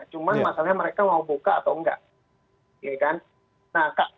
cuma masalahnya mereka mau buka atau enggak